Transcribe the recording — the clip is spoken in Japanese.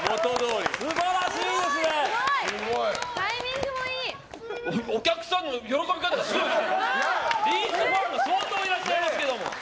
りんすファンが相当いらっしゃいますけど。